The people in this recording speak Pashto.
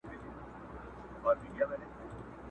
په هر کلي کي یې یو جومات آباد کړ٫